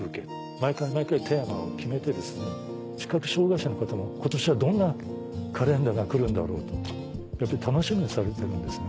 毎回毎回テーマを決めて視覚障がい者の方も今年はどんなカレンダーが来るんだろうと楽しみにされてるんですね。